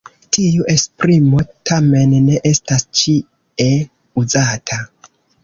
Tiu esprimo tamen ne estas ĉie uzata.